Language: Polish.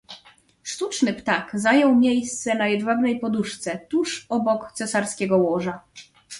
"Sztuczny ptak zajął miejsce na jedwabnej poduszce, tuż obok cesarskiego łoża."